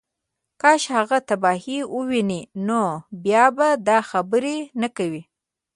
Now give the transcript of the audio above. کاش هغه تباهۍ ووینې نو بیا به دا خبرې نه کوې